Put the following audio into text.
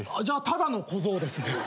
じゃあただの小僧ですね。